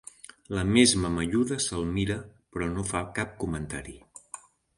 La més mamelluda se'l mira, però no fa cap comentari.